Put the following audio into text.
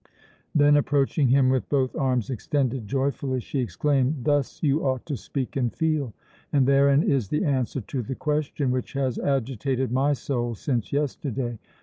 Then, approaching him with both arms extended joyfully, she exclaimed: "Thus you ought to speak and feel, and therein is the answer to the question which has agitated my soul since yesterday.